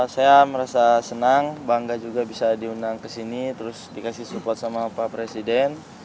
saya merasa senang bangga juga bisa diundang ke sini terus dikasih support sama pak presiden